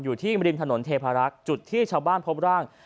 อยู่ที่ริมถนนเทพารักษ์จุดที่ชาวบ้านพบร่าง